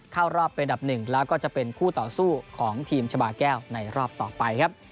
เข้ารอบเป็นอันดับหนึ่งแล้วก็จะเป็นคู่ต่อสู้ของทีมชาบาแก้วในรอบต่อไปครับ